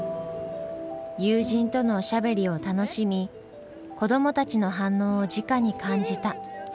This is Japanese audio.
友人とのおしゃべりを楽しみ子どもたちの反応をじかに感じた下関の旅。